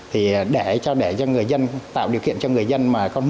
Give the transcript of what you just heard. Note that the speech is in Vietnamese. thì để cho người dân tạo điều kiện cho người dân mà có